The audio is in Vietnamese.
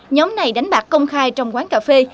nhóm này đánh bạc công khai trong quán cà phê